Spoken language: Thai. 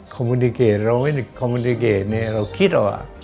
คอมมูนิเกตเราไม่คอมมูนิเกตเราคิดออก